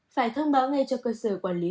phải thông báo ngay cho cơ sở quản lý